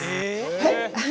はい！？